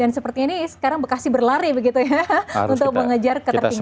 dan seperti ini sekarang bekasi berlari begitu ya untuk mengejar ketertinggalan dua tahun